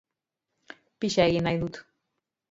Pixa egin nahi dut.